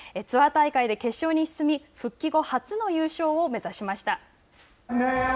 ツアー大会で決勝に進み復帰後初の優勝を目指しました。